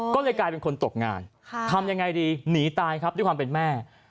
ก็เลยกลายเป็นคนตกงานทำยังไงดีหนีตายครับด้วยความเป็นแม่